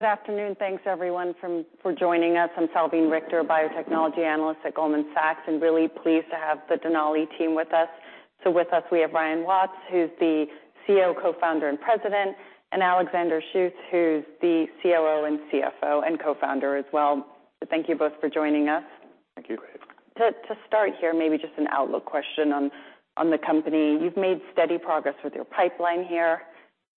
Good afternoon. Thanks, everyone, for joining us. I'm Salveen Richter, Biotechnology Analyst at Goldman Sachs, really pleased to have the Denali team with us. With us, we have Ryan Watts, who's the CEO, co-founder, and President, and Alexander Schuth, who's the COO and CFO and co-founder as well. Thank you both for joining us. Thank you. Great. To start here, maybe just an outlook question on the company. You've made steady progress with your pipeline here,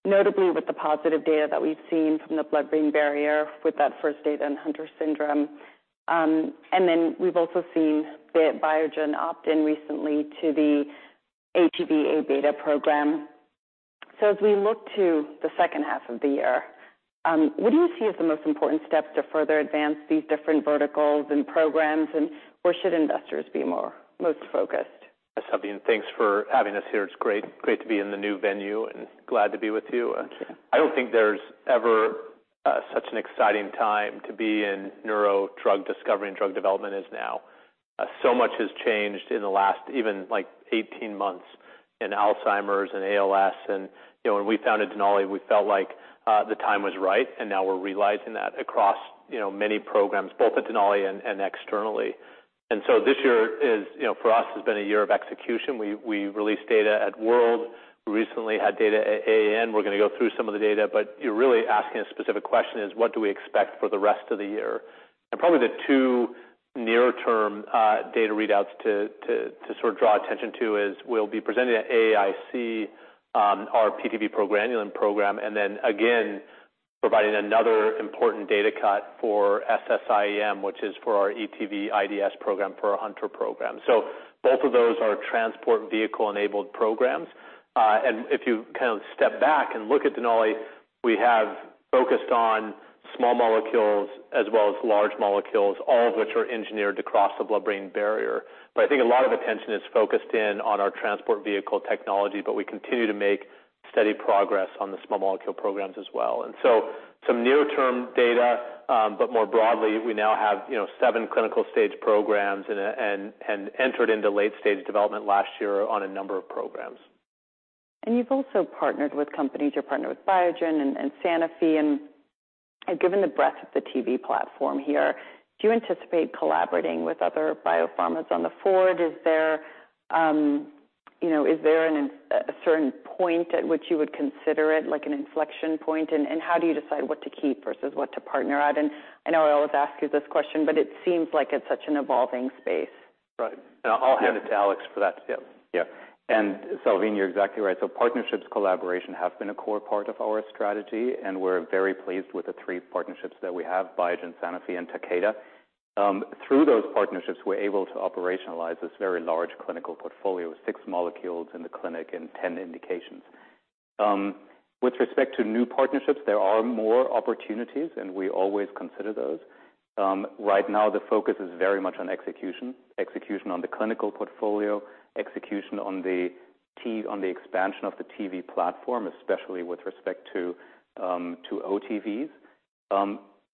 notably with the positive data that we've seen from the blood-brain barrier, with that first data in Hunter syndrome. Then we've also seen the Biogen opt-in recently to the ATV:Abeta program. As we look to the second half of the year, what do you see as the most important step to further advance these different verticals and programs, and where should investors be most focused? Yes, Salveen, thanks for having us here. It's great to be in the new venue and glad to be with you. Thank you. I don't think there's ever such an exciting time to be in neuro drug discovery and drug development as now. So much has changed in the last, even, like, 18 months in Alzheimer's and ALS. You know, when we founded Denali, we felt like the time was right, and now we're realizing that across, you know, many programs, both at Denali and externally. This year is, you know, for us, has been a year of execution. We released data at WORLD Symposium. We recently had data at AAN. We're going to go through some of the data, but you're really asking a specific question is: What do we expect for the rest of the year? Probably the two near-term data readouts to sort of draw attention to is, we'll be presenting at AAIC, our PTV progranulin program. Again, providing another important data cut for SSIEM, which is for our ETV:IDS program, for our Hunter program. Both of those are transport vehicle-enabled programs. If you kind of step back and look at Denali, we have focused on small molecules as well as large molecules, all of which are engineered to cross the blood-brain barrier. I think a lot of attention is focused in on our transport vehicle technology, but we continue to make steady progress on the small molecule programs as well. Some near-term data, but more broadly, we now have, you know, seven clinical stage programs and entered into late-stage development last year on a number of programs. You've also partnered with companies. You're partnered with Biogen and Sanofi. Given the breadth of the TV platform here, do you anticipate collaborating with other biopharmas on the forward? Is there, you know, a certain point at which you would consider it, like an inflection point, and how do you decide what to keep versus what to partner at? I know I always ask you this question, but it seems like it's such an evolving space. Right. I'll hand it to Alex for that. Yeah. Yeah. Salveen, you're exactly right. Partnerships, collaboration, have been a core part of our strategy, and we're very pleased with the three partnerships that we have, Biogen, Sanofi, and Takeda. Through those partnerships, we're able to operationalize this very large clinical portfolio of six molecules in the clinic and 10 indications. With respect to new partnerships, there are more opportunities, and we always consider those. Right now, the focus is very much on execution. Execution on the clinical portfolio, execution on the expansion of the Transport Vehicle platform, especially with respect to OTVs.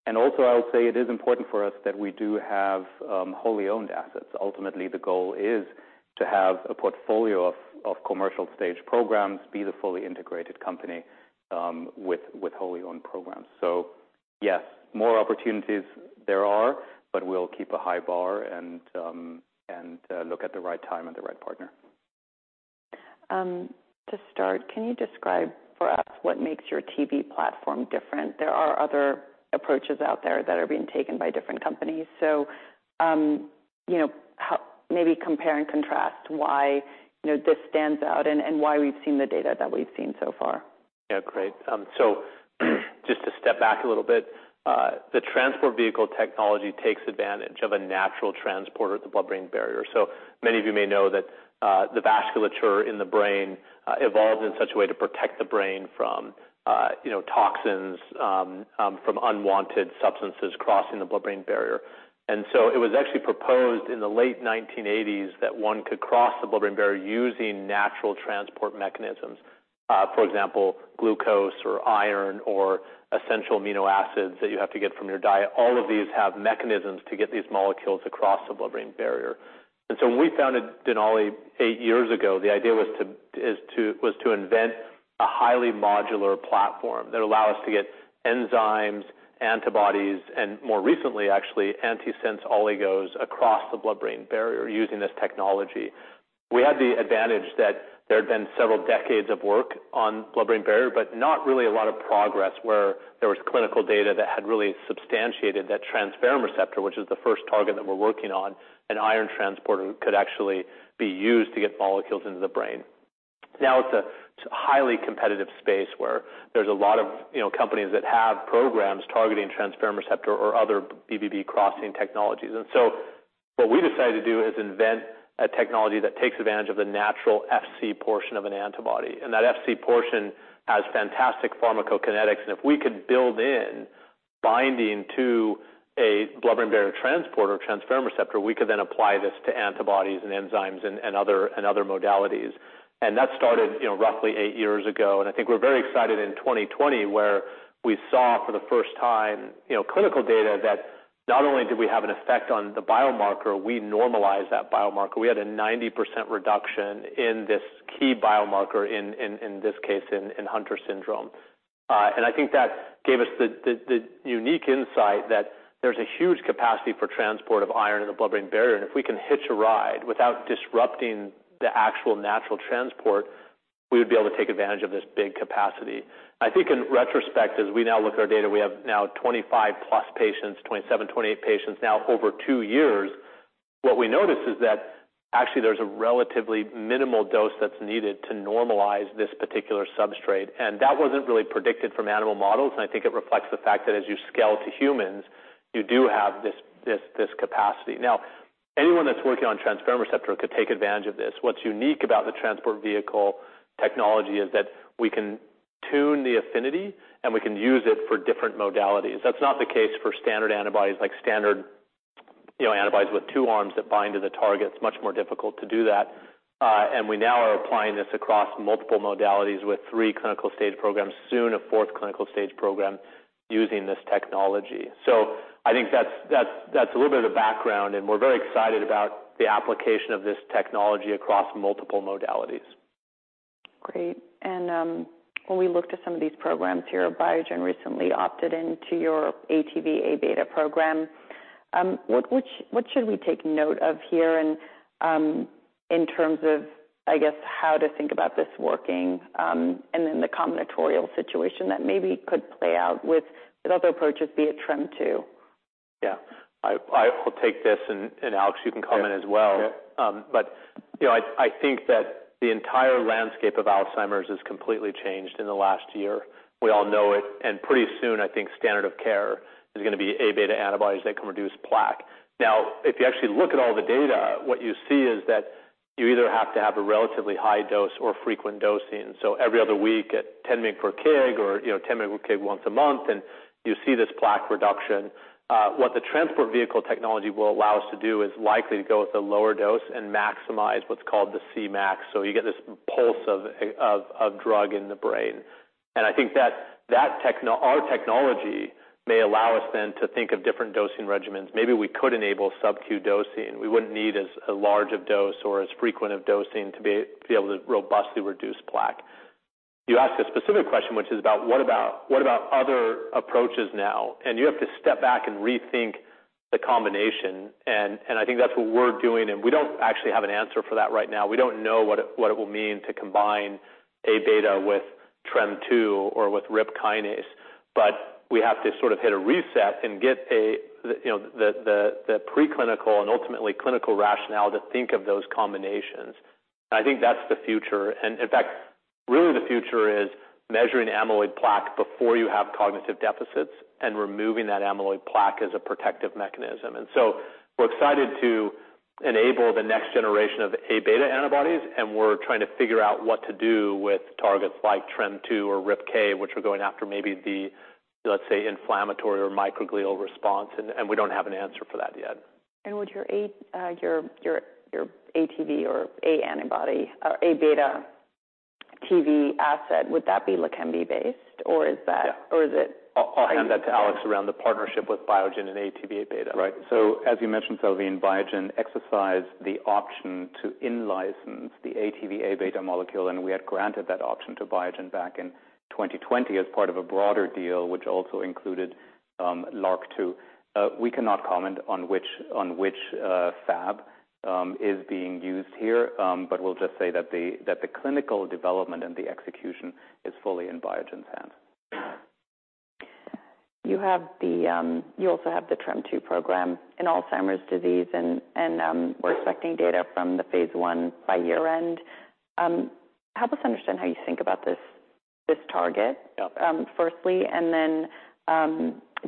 Also, I would say it is important for us that we do have wholly owned assets. Ultimately, the goal is to have a portfolio of commercial stage programs, be the fully integrated company, with wholly owned programs. Yes, more opportunities there are, but we'll keep a high bar and, look at the right time and the right partner. To start, can you describe for us what makes your TV platform different? There are other approaches out there that are being taken by different companies. You know, maybe compare and contrast why, you know, this stands out and why we've seen the data that we've seen so far. Yeah, great. Just to step back a little bit, the Transport Vehicle technology takes advantage of a natural transporter at the blood-brain barrier. Many of you may know that the vasculature in the brain evolved in such a way to protect the brain from, you know, toxins, from unwanted substances crossing the blood-brain barrier. It was actually proposed in the late 1980s that one could cross the blood-brain barrier using natural transport mechanisms. For example, glucose or iron or essential amino acids that you have to get from your diet. All of these have mechanisms to get these molecules across the blood-brain barrier. When we founded Denali eight years ago, the idea was to invent a highly modular platform that allow us to get enzymes, antibodies, and more recently, actually, antisense oligos across the blood-brain barrier using this technology. We had the advantage that there had been several decades of work on blood-brain barrier, but not really a lot of progress, where there was clinical data that had really substantiated that transferrin receptor, which is the first target that we're working on, an iron transporter, could actually be used to get molecules into the brain. Now, it's a highly competitive space where there's a lot of, you know, companies that have programs targeting transferrin receptor or other BBB crossing technologies. What we decided to do is invent a technology that takes advantage of the natural FC portion of an antibody, and that FC portion has fantastic pharmacokinetics. If we could build in binding to a blood-brain barrier transporter or transferrin receptor, we could then apply this to antibodies and enzymes and other modalities. That started, you know, roughly eight years ago, and I think we're very excited in 2020, where we saw for the first time, you know, clinical data. Not only did we have an effect on the biomarker, we normalized that biomarker. We had a 90% reduction in this key biomarker, in this case, in Hunter syndrome. I think that gave us the unique insight that there's a huge capacity for transport of iron in the blood-brain barrier. If we can hitch a ride without disrupting the actual natural transport, we would be able to take advantage of this big capacity. I think in retrospect, as we now look at our data, we have now 25+ patients, 27, 28 patients now over two years. What we notice is that actually there's a relatively minimal dose that's needed to normalize this particular substrate. That wasn't really predicted from animal models. I think it reflects the fact that as you scale to humans, you do have this capacity. Now, anyone that's working on transferrin receptor could take advantage of this. What's unique about the Transport Vehicle technology is that we can tune the affinity, and we can use it for different modalities. That's not the case for standard antibodies, like standard, you know, antibodies with two arms that bind to the target. It's much more difficult to do that. We now are applying this across multiple modalities with three clinical stage programs, soon a fourth clinical stage program using this technology. I think that's a little bit of background, and we're very excited about the application of this technology across multiple modalities. Great. When we look to some of these programs here, Biogen recently opted into your ATV:Abeta program. What should we take note of here and, in terms of, I guess, how to think about this working, and then the combinatorial situation that maybe could play out with other approaches, be it TREM2? Yeah. I will take this, and Alex, you can comment as well. Yeah. You know, I think that the entire landscape of Alzheimer's has completely changed in the last year. We all know it, pretty soon, I think standard of care is going to be Aβ antibodies that can reduce plaque. If you actually look at all the data, what you see is that you either have to have a relatively high dose or frequent dosing. Every other week at 10 mg per kg or, you know, 10 mg per kg once a month, you see this plaque reduction. What the Transport Vehicle technology will allow us to do is likely to go with a lower dose and maximize what's called the Cmax. You get this pulse of drug in the brain. I think that our technology may allow us then to think of different dosing regimens. Maybe we could enable subq dosing. We wouldn't need as a large of dose or as frequent of dosing to be able to robustly reduce plaque. You asked a specific question, which is about what about other approaches now? You have to step back and rethink the combination, and I think that's what we're doing, and we don't actually have an answer for that right now. We don't know what it will mean to combine Abeta with TREM2 or with RIPK, but we have to sort of hit a reset and get a, you know, the preclinical and ultimately clinical rationale to think of those combinations. I think that's the future. In fact, really the future is measuring amyloid plaque before you have cognitive deficits and removing that amyloid plaque as a protective mechanism. We're excited to enable the next generation of Abeta antibodies, and we're trying to figure out what to do with targets like TREM2 or RIPK, which are going after maybe the, let's say, inflammatory or microglial response, and we don't have an answer for that yet. Would your ATV:Abeta TV asset, would that be Leqembi based, or is that? Yeah. Or is it- I'll hand that to Alex around the partnership with Biogen and ATV:Abeta. As you mentioned, Salveen, Biogen exercised the option to in-license the ATV:Abeta molecule, and we had granted that option to Biogen back in 2020 as part of a broader deal, which also included LRRK2. We cannot comment on which FAB is being used here, but we'll just say that the clinical development and the execution is fully in Biogen's hands. You have the, you also have the TREM2 program in Alzheimer's disease, and we're expecting data from the phase l by year-end. Help us understand how you think about this target? Yep. firstly, and then,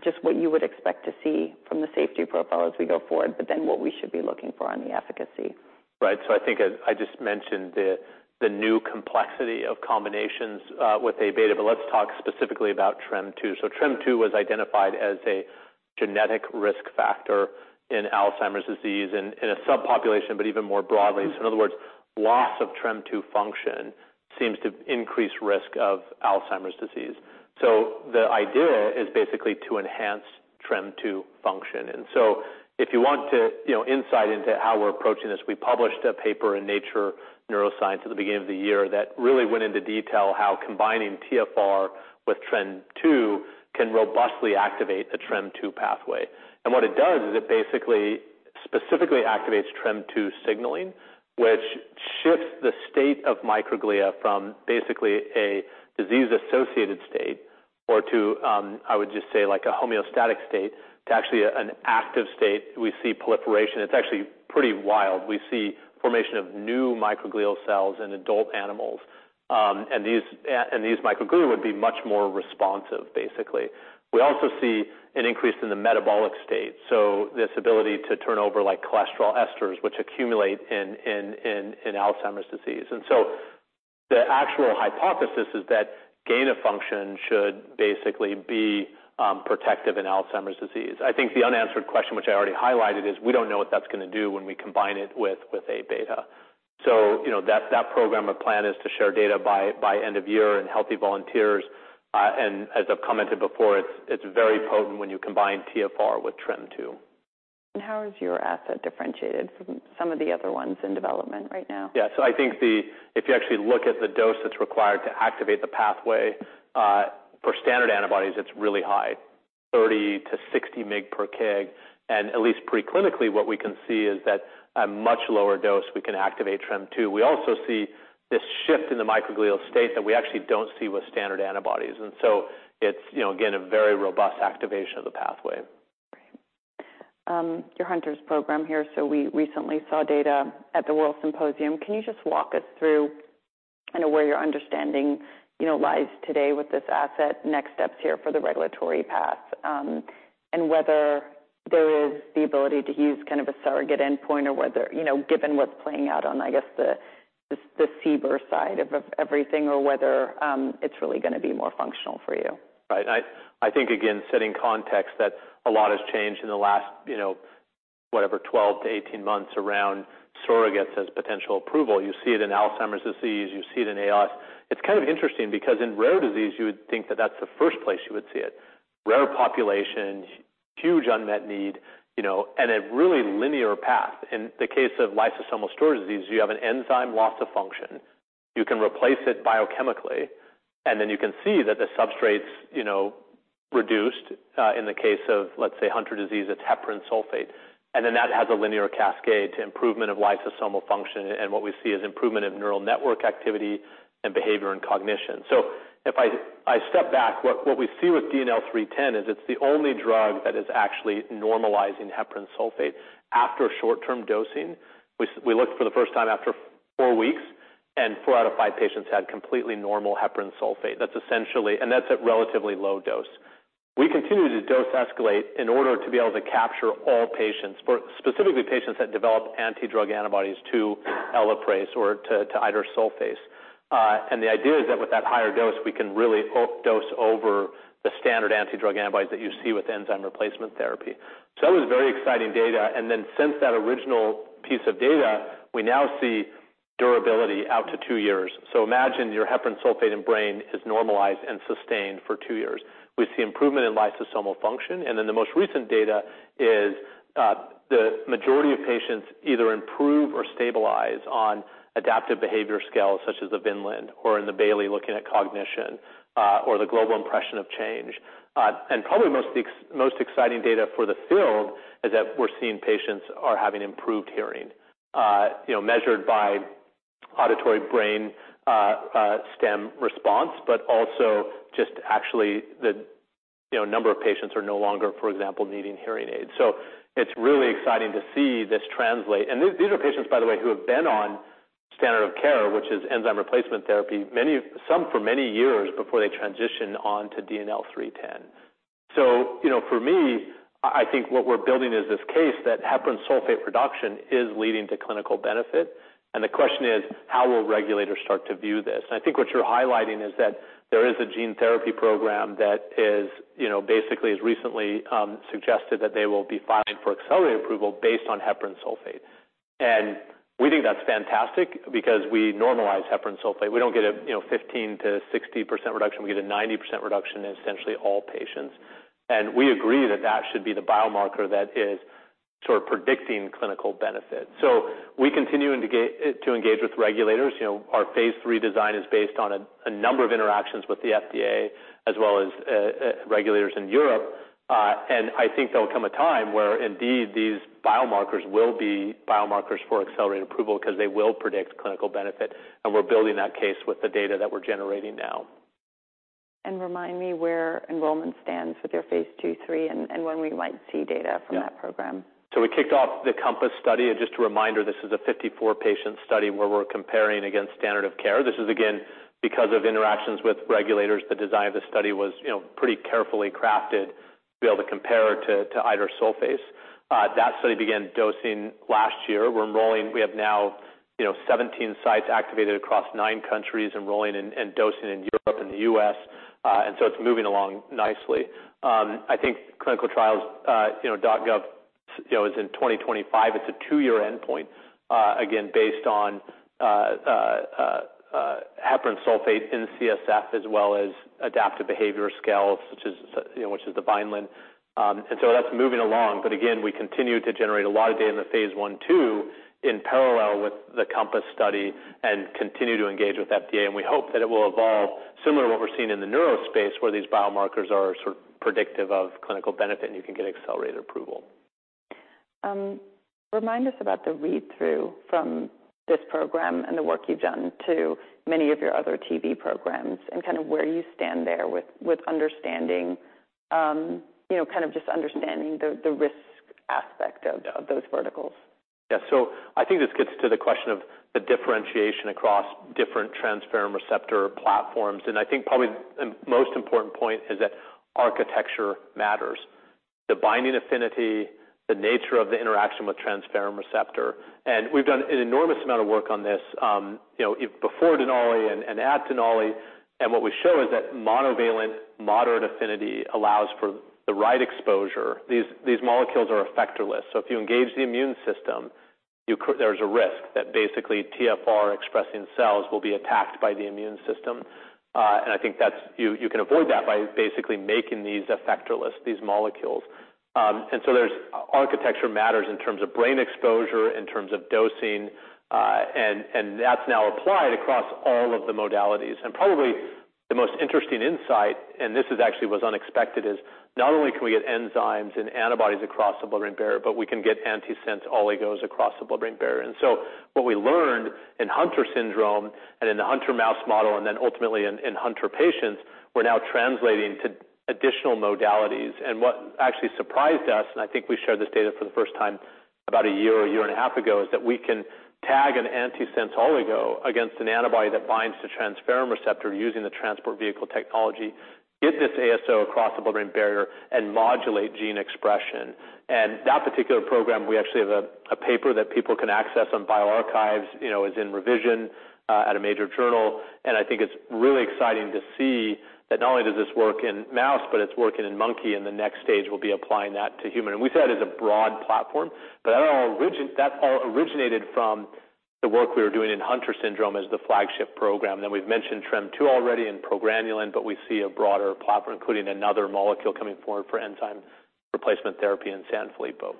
just what you would expect to see from the safety profile as we go forward, but then what we should be looking for on the efficacy. Right. I think I just mentioned the new complexity of combinations, with Aβ, but let's talk specifically about TREM2. TREM2 was identified as a genetic risk factor in Alzheimer's disease in a subpopulation, but even more broadly. In other words, loss of TREM2 function seems to increase risk of Alzheimer's disease. The idea is basically to enhance TREM2 function. If you want to, you know, insight into how we're approaching this, we published a paper in Nature Neuroscience at the beginning of the year that really went into detail how combining TFR with TREM2 can robustly activate the TREM2 pathway. What it does is it basically specifically activates TREM2 signaling, which shifts the state of microglia from basically a disease-associated state or to, I would just say, like a homeostatic state, to actually an active state. We see proliferation. It's actually pretty wild. We see formation of new microglial cells in adult animals, and these microglia would be much more responsive, basically. We also see an increase in the metabolic state, so this ability to turn over, like, cholesterol esters, which accumulate in Alzheimer's disease. The actual hypothesis is that gain of function should basically be protective in Alzheimer's disease. I think the unanswered question, which I already highlighted, is we don't know what that's going to do when we combine it with Aβ. You know, that program, our plan is to share data by end of year in healthy volunteers. And as I've commented before, it's very potent when you combine TFR with TREM2. How is your asset differentiated from some of the other ones in development right now? Yeah. I think if you actually look at the dose that's required to activate the pathway, for standard antibodies, it's really high, 30 mg per kg-60 mg per kg. At least pre-clinically, what we can see is that at a much lower dose, we can activate TREM2. We also see this shift in the microglial state that we actually don't see with standard antibodies. It's, you know, again, a very robust activation of the pathway. Your Hunter's program here. We recently saw data at the WORLD Symposium. Can you just walk us through kind of where your understanding, you know, lies today with this asset, next steps here for the regulatory path, and whether there is the ability to use kind of a surrogate endpoint or whether, you know, given what's playing out on, I guess, the CBER side of everything, or whether it's really going to be more functional for you? Right. I think, again, setting context, that a lot has changed in the last, you know, whatever, 12 to 18 months around surrogates as potential approval. You see it in Alzheimer's disease, you see it in ApoE. It's kind of interesting because in rare disease, you would think that that's the first place you would see it. Rare population, huge unmet need, you know, a really linear path. In the case of lysosomal storage disease, you have an enzyme loss of function. You can replace it biochemically, and then you can see that the substrates, you know, reduced, in the case of, let's say, Hunter disease, it's heparan sulfate. That has a linear cascade to improvement of lysosomal function, and what we see is improvement in neural network activity and behavior and cognition. If I step back, what we see with DNL310 is it's the only drug that is actually normalizing heparan sulfate after short-term dosing. We looked for the first time after four weeks, four out of five patients had completely normal heparan sulfate. That's essentially. That's at relatively low dose. We continue to dose escalate in order to be able to capture all patients, for specifically patients that develop anti-drug antibodies to Elaprase or to idursulfase. The idea is that with that higher dose, we can really dose over the standard anti-drug antibodies that you see with enzyme replacement therapy. That was very exciting data. Since that original piece of data, we now see durability out to two years. Imagine your heparan sulfate and brain is normalized and sustained for two years. We see improvement in lysosomal function, and in the most recent data is, the majority of patients either improve or stabilize on adaptive behavior scales, such as the Vineland or in the Bayley, looking at cognition, or the Global Impression of Change. Probably most exciting data for the field is that we're seeing patients are having improved hearing, you know, measured by auditory brainstem response, but also just actually the, you know, number of patients are no longer, for example, needing hearing aids. It's really exciting to see this translate. These are patients, by the way, who have been on standard of care, which is enzyme replacement therapy, many, some for many years before they transition on to DNL310. You know, for me, I think what we're building is this case that heparan sulfate production is leading to clinical benefit, and the question is, how will regulators start to view this? I think what you're highlighting is that there is a gene therapy program that is, you know, basically has recently suggested that they will be filing for Accelerated Approval based on heparan sulfate. We think that's fantastic because we normalize heparan sulfate. We don't get a, you know, 15%-60% reduction. We get a 90% reduction in essentially all patients. We agree that that should be the biomarker that is sort of predicting clinical benefit. We continue to engage with regulators. You know, our phase three design is based on a number of interactions with the FDA as well as regulators in Europe. I think there will come a time where indeed these biomarkers will be biomarkers for Accelerated Approval because they will predict clinical benefit, and we're building that case with the data that we're generating now. Remind me where enrollment stands with your phase ll, lll, and when we might see data from that program? We kicked off the COMPASS study, and just a reminder, this is a 54 patient study where we're comparing against standard of care. This is, again, because of interactions with regulators. The design of the study was, you know, pretty carefully crafted to be able to compare to idursulfase. That study began dosing last year. We're enrolling. We have now, you know, 17 sites activated across nine countries, enrolling and dosing in Europe and the U.S., it's moving along nicely. I think clinicaltrials.gov, you know, is in 2025. It's a two year endpoint, again, based on heparan sulfate in CSF, as well as adaptive behavior scales, such as, you know, which is the Vineland. That's moving along. Again, we continue to generate a lot of data in the phase I/II in parallel with the COMPASS study and continue to engage with FDA. We hope that it will evolve similar to what we're seeing in the neurospace, where these biomarkers are sort of predictive of clinical benefit, and you can get Accelerated Approval. Remind us about the read-through from this program and the work you've done to many of your other TV programs and kind of where you stand there with understanding, you know, kind of just understanding the risk aspect of those verticals. Yeah. I think this gets to the question of the differentiation across different transferrin receptor platforms, and I think probably the most important point is that architecture matters. The binding affinity, the nature of the interaction with transferrin receptor. We've done an enormous amount of work on this, you know, before Denali and at Denali. What we show is that monovalent moderate affinity allows for the right exposure. These molecules are effectorless. If you engage the immune system, there's a risk that basically TFR-expressing cells will be attacked by the immune system. I think that's, you can avoid that by basically making these effectorless molecules. There's architecture matters in terms of brain exposure, in terms of dosing, and that's now applied across all of the modalities. Probably the most interesting insight, and this is actually was unexpected, is not only can we get enzymes and antibodies across the blood-brain barrier, but we can get antisense oligos across the blood-brain barrier. What we learned in Hunter syndrome and in the Hunter mouse model, then ultimately in Hunter patients, we're now translating to additional modalities. What actually surprised us, and I think we shared this data for the first time about a year or a year and a half ago, is that we can tag an antisense oligo against an antibody that binds to transferrin receptor using the Transport Vehicle technology, get this ASO across the blood-brain barrier and modulate gene expression. That particular program, we actually have a paper that people can access on bioRxiv, you know, is in revision at a major journal. I think it's really exciting to see that not only does this work in mouse, but it's working in monkey, and the next stage will be applying that to human. We say that as a broad platform, but that all originated from the work we were doing in Hunter syndrome as the flagship program. We've mentioned TREM2 already in progranulin, but we see a broader platform, including another molecule coming forward for enzyme replacement therapy in Sanfilippo.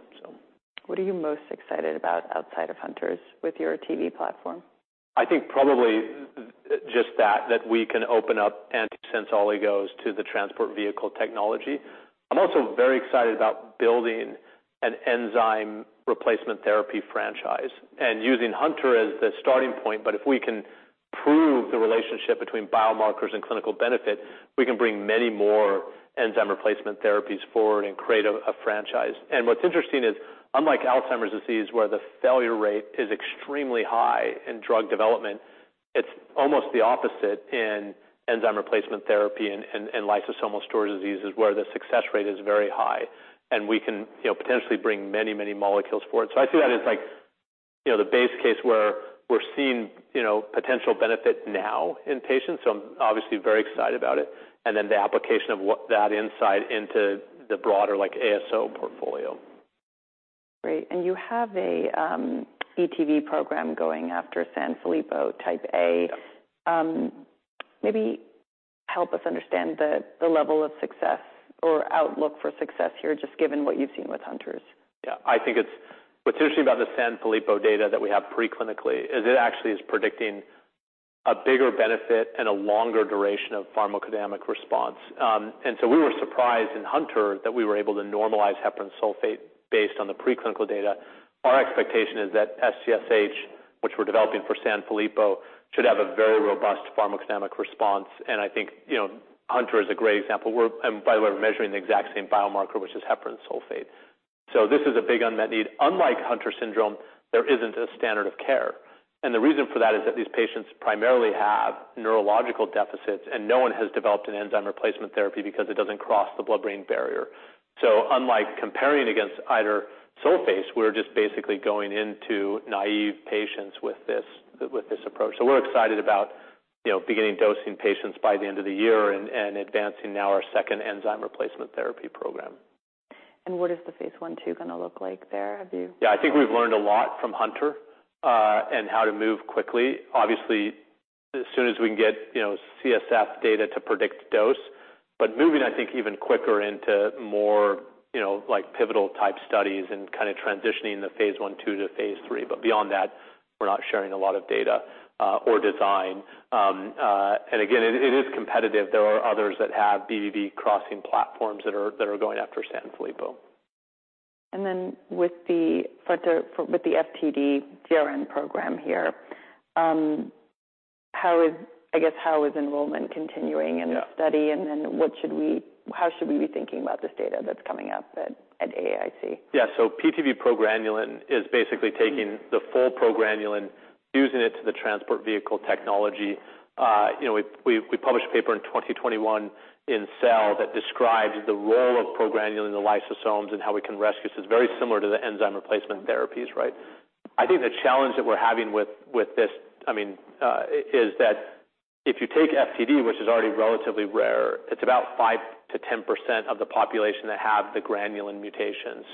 What are you most excited about outside of Hunter syndrome with your TV platform? I think probably just that we can open up antisense oligos to the Transport Vehicle technology. I'm also very excited about building an enzyme replacement therapy franchise and using Hunter as the starting point. If we can prove the relationship between biomarkers and clinical benefit, we can bring many more enzyme replacement therapies forward and create a franchise. What's interesting is, unlike Alzheimer's disease, where the failure rate is extremely high in drug development, it's almost the opposite in enzyme replacement therapy and lysosomal storage diseases, where the success rate is very high, and we can, you know, potentially bring many molecules forward. I see that as like, you know, the base case where we're seeing, you know, potential benefit now in patients. I'm obviously very excited about it, and then the application of what that insight into the broader, like ASO portfolio. Great. You have a ETV program going after Sanfilippo type A. Yeah. Maybe help us understand the level of success or outlook for success here, just given what you've seen with Hunters. I think what's interesting about the Sanfilippo data that we have preclinically is it actually is predicting a bigger benefit and a longer duration of pharmacodynamic response. We were surprised in Hunter that we were able to normalize heparan sulfate based on the preclinical data. Our expectation is that SCSH, which we're developing for Sanfilippo, should have a very robust pharmacodynamic response. I think, you know, Hunter is a great example. And by the way, we're measuring the exact same biomarker, which is heparan sulfate. This is a big unmet need. Unlike Hunter syndrome, there isn't a standard of care, and the reason for that is that these patients primarily have neurological deficits, and no one has developed an enzyme replacement therapy because it doesn't cross the blood-brain barrier. Unlike comparing against idursulfase, we're just basically going into naive patients with this, with this approach. We're excited about, you know, beginning dosing patients by the end of the year and advancing now our second enzyme replacement therapy program. What is the phase 1/2 going to look like there? I think we've learned a lot from Hunter, and how to move quickly. Obviously, as soon as we can get, you know, CSF data to predict dose, moving, I think, even quicker into more, you know, like, pivotal type studies and kind of transitioning the phase l, ll to phase lll. Beyond that, we're not sharing a lot of data or design. Again, it is competitive. There are others that have BBB crossing platforms that are going after Sanfilippo. With the FTD GRN program here, I guess, how is enrollment continuing? Yeah in the study? How should we be thinking about this data that's coming up at AAIC? Yeah. PTV progranulin is basically taking the full progranulin, using it to the Transport Vehicle technology. you know, we published a paper in 2021 in Cell that describes the role of progranulin in the lysosomes and how we can rescue. This is very similar to the enzyme replacement therapies, right? I think the challenge that we're having with this, I mean, is that if you take FTD, which is already relatively rare, it's about 5%-10% of the population that have the granulin mutation.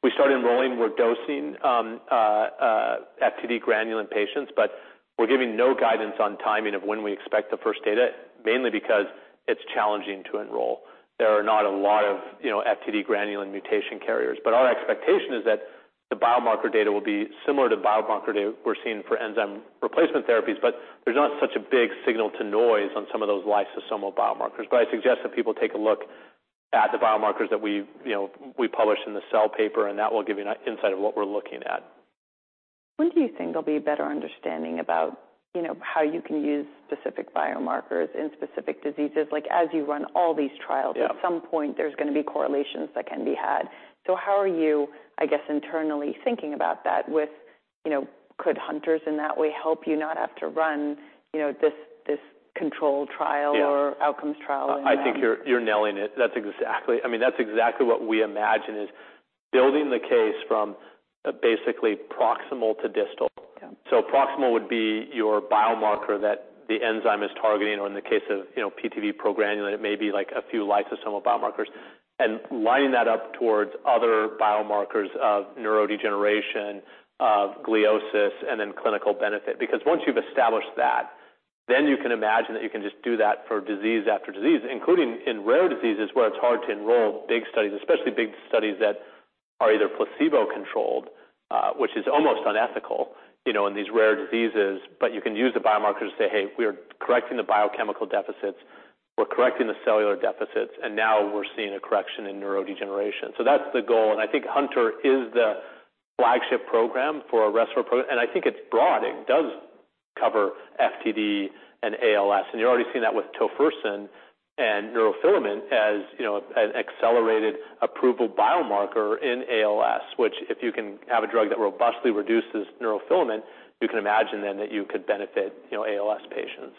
We started enrolling, we're dosing FTD granulin patients, but we're giving no guidance on timing of when we expect the first data, mainly because it's challenging to enroll. There are not a lot of, you know, FTD granulin mutation carriers, but our expectation is that the biomarker data will be similar to biomarker data we're seeing for enzyme replacement therapies, but there's not such a big signal to noise on some of those lysosomal biomarkers. I suggest that people take a look at the biomarkers that we, you know, we published in the Cell paper, and that will give you an insight of what we're looking at. When do you think there'll be a better understanding about, you know, how you can use specific biomarkers in specific diseases? Like, as you run all these trials- Yeah At some point, there's going to be correlations that can be had. How are you, I guess, internally thinking about that with, you know, could Hunters in that way help you not have to run, you know, this controlled trial? Yeah Outcomes trial? I think you're nailing it. I mean, that's exactly what we imagine building the case from basically proximal to distal. Yeah. Proximal would be your biomarker that the enzyme is targeting, or in the case of, you know, PTV:PGRN, it may be like a few lysosomal biomarkers, and lining that up towards other biomarkers of neurodegeneration, of gliosis, and then clinical benefit. Because once you've established that, then you can imagine that you can just do that for disease after disease, including in rare diseases, where it's hard to enroll big studies, especially big studies that are either placebo-controlled, which is almost unethical, you know, in these rare diseases. You can use the biomarker to say, "Hey, we are correcting the biochemical deficits. We're correcting the cellular deficits, and now we're seeing a correction in neurodegeneration." That's the goal, and I think Hunter is the flagship program for a rest program. I think it's broad. It does cover FTD and ALS, and you're already seeing that with Tofersen and neurofilament as, you know, an accelerated approval biomarker in ALS, which, if you can have a drug that robustly reduces neurofilament, you can imagine then that you could benefit, you know, ALS patients.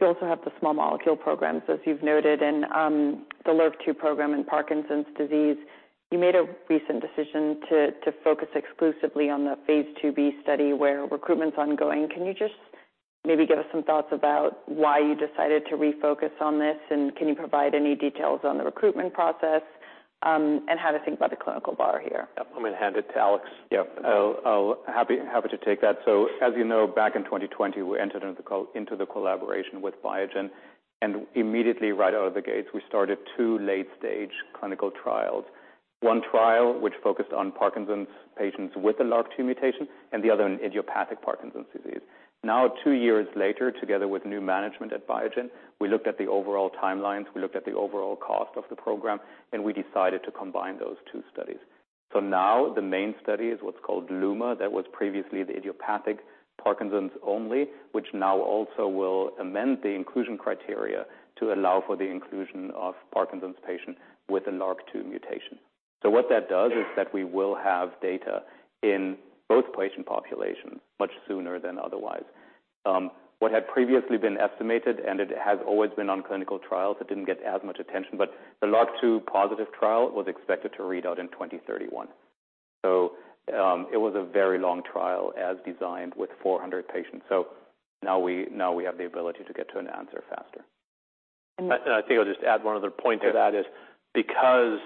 You also have the small molecule programs, as you've noted, in the LRRK2 program in Parkinson's disease. You made a recent decision to focus exclusively on the phase 2b study, where recruitment's ongoing. Can you just maybe give us some thoughts about why you decided to refocus on this, and can you provide any details on the recruitment process, and how to think about the clinical bar here? Yeah. I'm going to hand it to Alex. Yeah. I'll happy to take that. As you know, back in 2020, we entered into the collaboration with Biogen. Immediately, right out of the gates, we started two late-stage clinical trials. One trial, which focused on Parkinson's patients with a LRRK2 mutation, and the other in idiopathic Parkinson's disease. Two years later, together with new management at Biogen, we looked at the overall timelines, we looked at the overall cost of the program, and we decided to combine those two studies. Now the main study is what's called LUMA. That was previously the idiopathic Parkinson's only, which now also will amend the inclusion criteria to allow for the inclusion of Parkinson's patients with a LRRK2 mutation. What that does is that we will have data in both patient populations much sooner than otherwise. What had previously been estimated, and it has always been on clinical trials, it didn't get as much attention, but the LRRK2 positive trial was expected to read out in 2031. It was a very long trial, as designed, with 400 patients. Now we have the ability to get to an answer faster. And- I think I'll just add one other point to that is because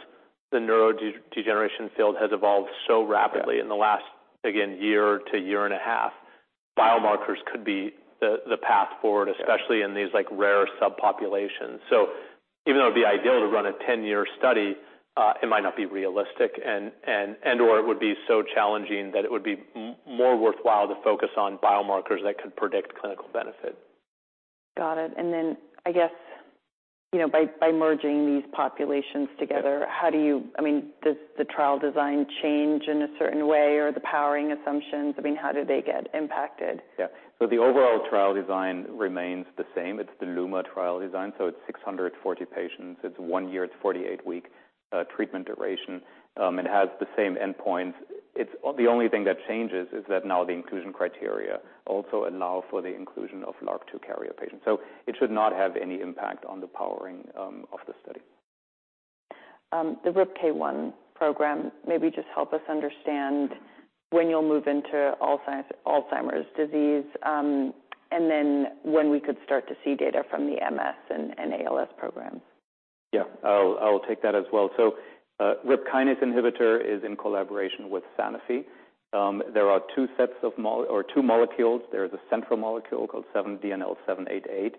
the degeneration field has evolved so rapidly- Yeah In the last, again, year to year and a half, biomarkers could be the path forward. Yeah especially in these like rare subpopulations. even though it'd be ideal to run a 10-year study, it might not be realistic and/or it would be so challenging that it would be more worthwhile to focus on biomarkers that could predict clinical benefit. Got it. I guess, you know, by merging these populations together. Yeah I mean, does the trial design change in a certain way, or the powering assumptions? I mean, how do they get impacted? The overall trial design remains the same. It's the LUMA trial design, it's 640 patients. It's one year, it's 48-week treatment duration. It has the same endpoint. The only thing that changes is that now the inclusion criteria also allow for the inclusion of LRRK2 carrier patients. It should not have any impact on the powering of the study. The RIPK1 program, maybe just help us understand when you'll move into Alzheimer's disease, when we could start to see data from the MS and ALS programs? Yeah, I'll take that as well. RIP kinase inhibitor is in collaboration with Sanofi. There are two sets of two molecules. There is a central molecule called DNL788.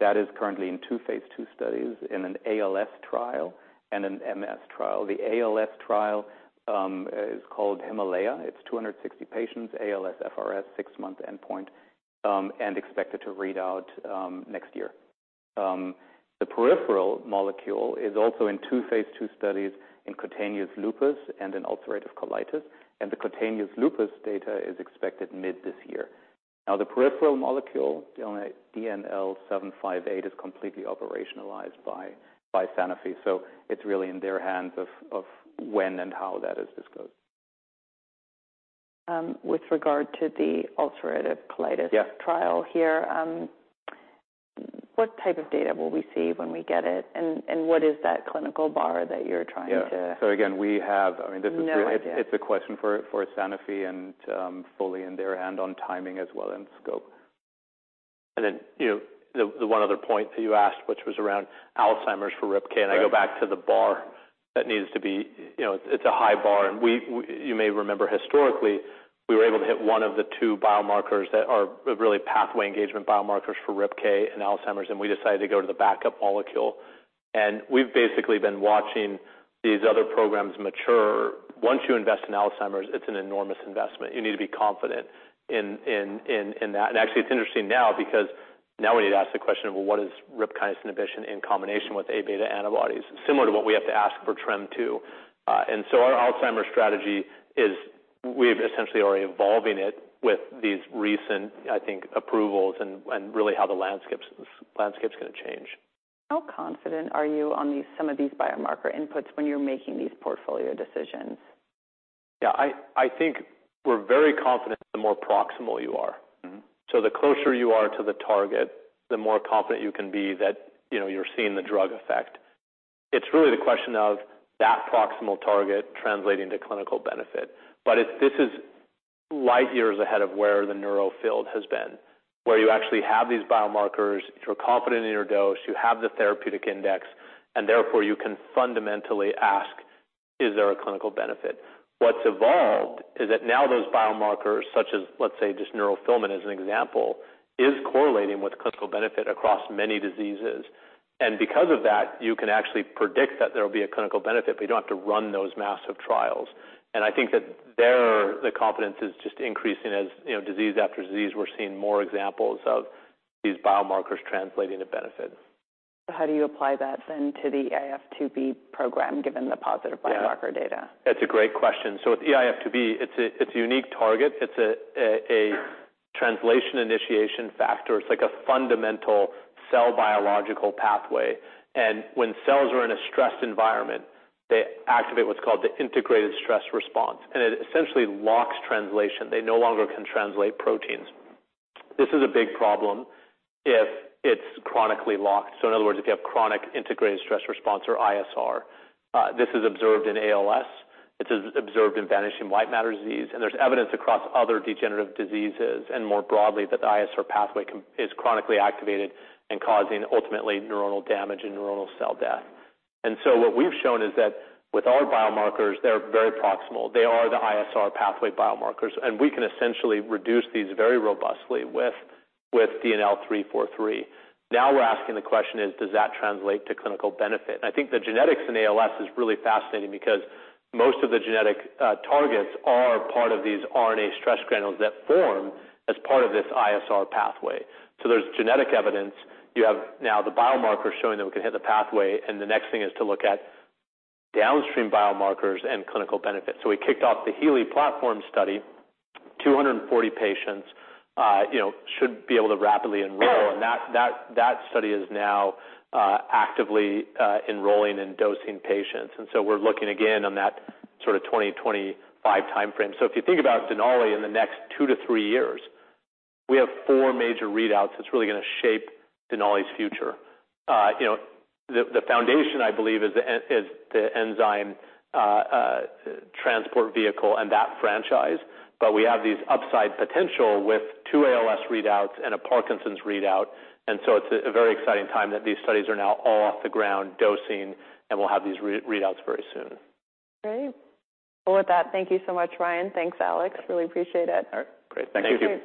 That is currently in two phase ll studies, in an ALS trial and an MS trial. The ALS trial is called Himalaya. It's 260 patients, ALSFRS, six month endpoint, and expected to read out next year. The peripheral molecule is also in two phase ll studies in cutaneous lupus and in ulcerative colitis, and the cutaneous lupus data is expected mid this year. The peripheral molecule, DNL758, is completely operationalized by Sanofi, it's really in their hands of when and how that is disclosed. With regard to the ulcerative colitis. Yeah Trial here, what type of data will we see when we get it, and what is that clinical bar that you're trying to? Yeah. again, we have... I mean, this is- No idea. It's a question for Sanofi and fully in their hand on timing as well and scope. You know, the one other point that you asked, which was around Alzheimer's for RIPK-. Right I go back to the bar that needs to be, you know, it's a high bar. We may remember historically, we were able to hit one of the two biomarkers that are really pathway engagement biomarkers for RIPK and Alzheimer's. We decided to go to the backup molecule. We've basically been watching these other programs mature. Once you invest in Alzheimer's, it's an enormous investment. You need to be confident in that. Actually, it's interesting now because now we need to ask the question: Well, what is RIP kinase inhibition in combination with A-beta antibodies? Similar to what we have to ask for TREM2. Our Alzheimer's strategy is we're essentially already evolving it with these recent, I think, approvals and really how the landscape's going to change. How confident are you on these, some of these biomarker inputs when you're making these portfolio decisions? Yeah, I think we're very confident, the more proximal you are. Mm-hmm. The closer you are to the target, the more confident you can be that, you know, you're seeing the drug effect. It's really the question of that proximal target translating to clinical benefit. If this is light years ahead of where the neural field has been, where you actually have these biomarkers, if you're confident in your dose, you have the therapeutic index, and therefore you can fundamentally ask, Is there a clinical benefit? What's evolved is that now those biomarkers, such as, let's say, just neurofilament, as an example, is correlating with clinical benefit across many diseases. Because of that, you can actually predict that there will be a clinical benefit, but you don't have to run those massive trials. I think that there, the confidence is just increasing as, you know, disease after disease, we're seeing more examples of these biomarkers translating to benefit. How do you apply that then to the eIF2B program, given the positive... Yeah biomarker data? With eIF2B, it's a unique target. It's a translation initiation factor. It's like a fundamental cell biological pathway. When cells are in a stressed environment, they activate what's called the integrated stress response, and it essentially locks translation. They no longer can translate proteins. This is a big problem if it's chronically locked. In other words, if you have chronic integrated stress response or ISR, this is observed in ALS, this is observed in vanishing white matter disease, and there's evidence across other degenerative diseases, and more broadly, that the ISR pathway is chronically activated and causing ultimately neuronal damage and neuronal cell death. What we've shown is that with our biomarkers, they're very proximal. They are the ISR pathway biomarkers, and we can essentially reduce these very robustly with DNL343. We're asking the question is, does that translate to clinical benefit? I think the genetics in ALS is really fascinating because most of the genetic targets are part of these RNA stress granules that form as part of this ISR pathway. There's genetic evidence. You have now the biomarkers showing that we can hit the pathway, and the next thing is to look at downstream biomarkers and clinical benefits. We kicked off the HEALEY Platform study, 240 patients should be able to rapidly enroll, and that study is now actively enrolling and dosing patients. We're looking again on that sort of 20-25 timeframe. If you think about Denali in the next two to three years, we have four major readouts that's really going to shape Denali's future. you know, the foundation, I believe, is the Enzyme Transport Vehicle and that franchise. We have these upside potential with two ALS readouts and a Parkinson's readout. It's a very exciting time that these studies are now all off the ground dosing, and we'll have these readouts very soon. Great. With that, thank you so much, Ryan. Thanks, Alex. Really appreciate it. All right, great. Thank you.